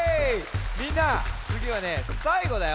みんなつぎはねさいごだよ。